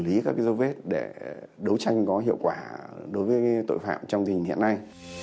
lý các dấu vết để đấu tranh có hiệu quả đối với tội phạm trong tình hiện nay